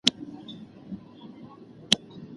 سختۍ مې د یوې نوې تجربې په توګه ومنلې.